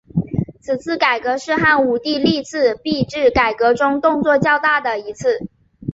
此次改革是汉武帝历次币制改革中动作较大的一次。